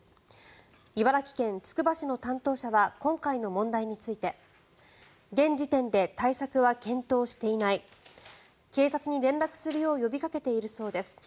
茨城県つくば市の担当者は今回の問題について現時点で対策は検討していない警察に連絡するよう呼びかけているそうです。